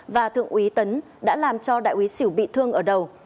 và thượng úy tấn đã làm cho đại úy xỉu bị thương ở đầu